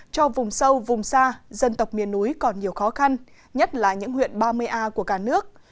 cho vùng sâu vùng xa dân tộc miền núi còn nhiều khó khăn nhất là những huyện ba mươi a của cả nước